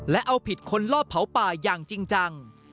และเอาผิดคนลอบเผาป่าอย่างจริงจัง